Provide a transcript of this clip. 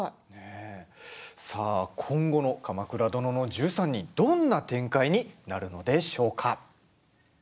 今後の「鎌倉殿の１３人」どんな展開になるんでしょうか。